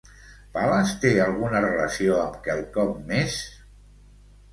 Pales té alguna relació amb quelcom més?